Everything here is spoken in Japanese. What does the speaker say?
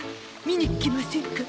見に来ませんか？